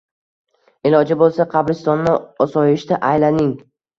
Iloji bo’lsa, qabristonni osoyishta aylaning.